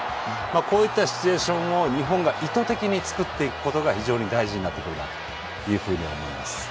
こういったシチュエーションを日本が意図的に作っていくことが非常に大事になっていくと思います。